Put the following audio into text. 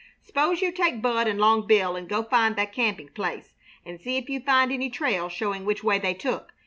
'Spose you take Bud and Long Bill and go find that camping place and see if you find any trail showing which way they took.